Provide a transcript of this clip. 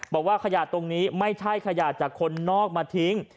บอกว่าขยะตรงนี้ไม่ใช่ขยะจากคนนอกมาทิ้ง